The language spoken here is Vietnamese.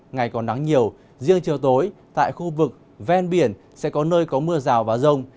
ngày còn nắng nhiều riêng chiều tối tại khu vực ven biển sẽ có nơi có mưa rào và rông